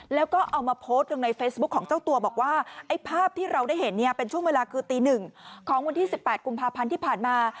แล้วก็เอามาโพสต์ลงในเฟซบุ๊คของเจ้าตัวบอกว่าไอ้ภาพที่เราได้เห็นเนี่ยเป็นช่วงเวลาคือตีหนึ่งของวันที่๑๘กุมภาพันธ์ที่ผ่านมา